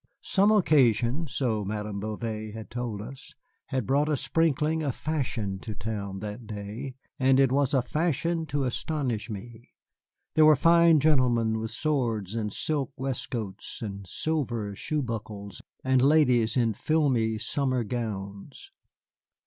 Some occasion (so Madame Bouvet had told us) had brought a sprinkling of fashion to town that day, and it was a fashion to astonish me. There were fine gentlemen with swords and silk waistcoats and silver shoe buckles, and ladies in filmy summer gowns.